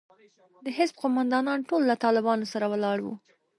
د حزب قومندانان ټول له طالبانو سره ولاړ وو.